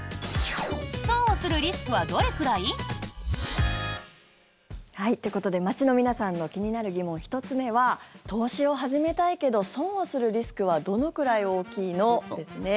損をするリスクはどれくらい？ということで街の皆さんの気になる疑問１つ目は投資を始めたいけど損をするリスクはどのくらい大きいの？ですね。